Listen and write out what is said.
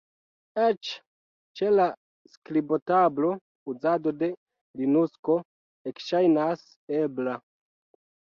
Eĉ ĉe la skribotablo, uzado de Linukso ekŝajnas ebla.